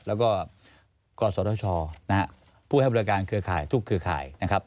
แล้วก็กศธชนะฮะผู้ให้บริการเครือข่ายทุกเครือข่ายนะครับ